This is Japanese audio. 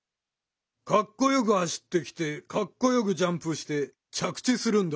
かっこよく走ってきてかっこよくジャンプして着地するんだ。